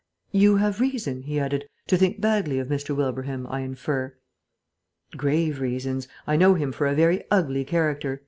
"You have reason," he added, "to think badly of Mr. Wilbraham, I infer?" "Grave reasons. I know him for a very ugly character.